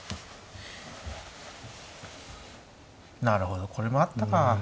なるほどこれもあったか。